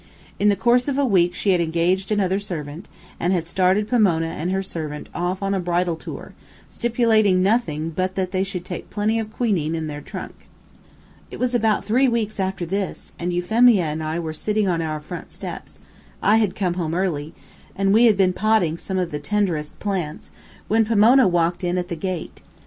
In the course of a week she had engaged another servant, and had started Pomona and her husband off on a bridal tour, stipulating nothing but that they should take plenty of quinine in their trunk. It was about three weeks after this, and Euphemia and I were sitting on our front steps, I had come home early, and we had been potting some of the tenderest plants, when Pomona walked in at the gate.